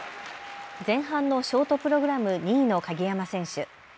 前半のショートプログラム２位の鍵山選手。